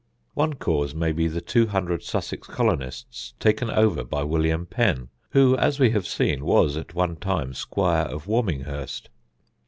One cause may be the two hundred Sussex colonists taken over by William Penn, who, as we have seen, was at one time Squire of Warminghurst.